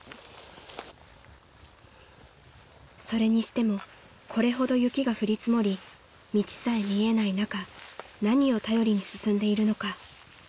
［それにしてもこれほど雪が降り積もり道さえ見えない中何を頼りに進んでいるのか？］